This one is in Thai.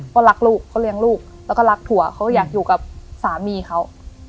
ก็รักลูกเขาเลี้ยงลูกแล้วก็รักผัวเขาก็อยากอยู่กับสามีเขา